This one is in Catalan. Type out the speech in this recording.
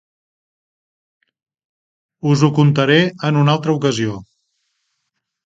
Us ho contaré en una altra ocasió.